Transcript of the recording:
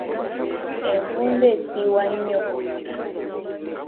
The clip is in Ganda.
Envunza esiiwa nnyo.